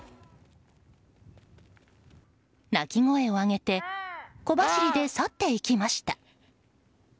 鳴き声を上げて、小走りで去っていきました。